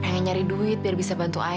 pengen nyari duit biar bisa bantu ayah